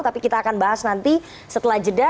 tapi kita akan bahas nanti setelah jeda